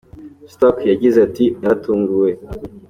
Stark yagize ati :« Naratunguwe.